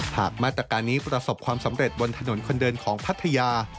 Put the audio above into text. หากมาตรการนี้ประสบความสำเร็จบนถนนคนเดินของพัทยา